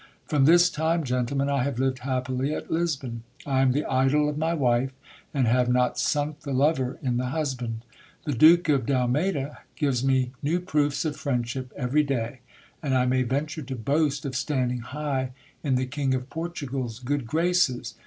From this time, gentlemen, I have lived happily at Lisbon. I am the idol of my wife, and have not sunk the lover in the husband. The Duke d'Almeyda gives me new proofs of friendship every day ; and I may venture to boast of standing high in the King of Portugal's good graces.